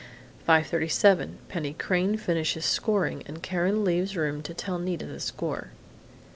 5:37 Penny Crain finishes scoring, and Karen leaves room to tell Nita the score.